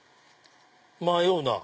迷うなぁ。